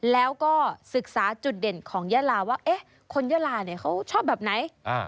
แล้วก็ศึกษาจุดเด่นของยาลาว่าคนยาลาเนี่ยเขาชอบแบบไหน